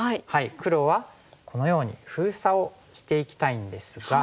黒はこのように封鎖をしていきたいんですが。